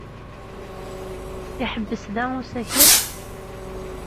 Iḥebbes da usakal?